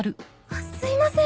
あっすいません